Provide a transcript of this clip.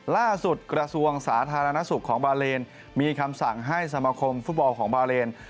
กระทรวงสาธารณสุขของบาเลนมีคำสั่งให้สมคมฟุตบอลของบาเลน